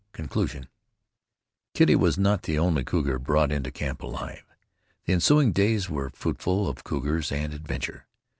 CONCLUSION Kitty was not the only cougar brought into camp alive. The ensuing days were fruitful of cougars and adventure.